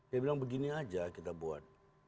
dia bilang begini aja kita buat